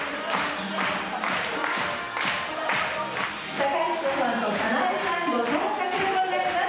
公彦さんと早苗さんご到着でございます。